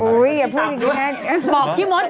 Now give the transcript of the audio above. อุ๊ยอย่าพูดอีกทีแม่